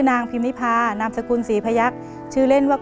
รายการต่อไปนี้เป็นรายการทั่วไปสามารถรับชมได้ทุกวัย